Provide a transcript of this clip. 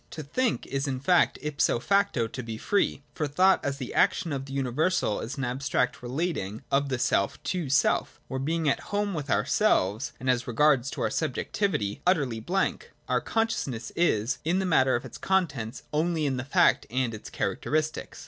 To tliink is in fact ipso facto to be free, for thought as the action of the universal is an abstract relating of self to self, where, being at home with ourselves, and as regards our subjectivity, utterly blank, our con sciousness is, in the matter of its contents, only in the fact and its characteristics.